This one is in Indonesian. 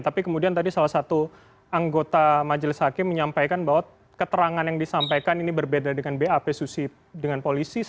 tapi kemudian tadi salah satu anggota majelis hakim menyampaikan bahwa keterangan yang disampaikan ini berbeda dengan bap susi dengan polisi